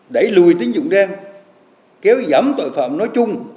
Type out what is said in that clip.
đẩy lùi tín dụng đen kéo giảm tội phạm nói chung